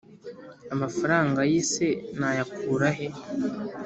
amafaranga ye se nayakurahe,